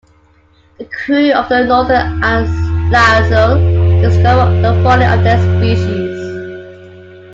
The crew of the "Northern" and Lieserl discover the folly of their species.